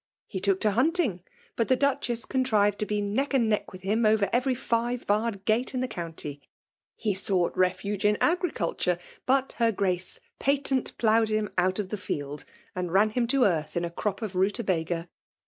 He took to hunting ; but the Duchess contrived to be neck and neck with him over every five barred gate in the county. He sought refuge in agriculture ; but her Grace patent ploughed him out of the fields and ran him to earth in a crop of ruta baga.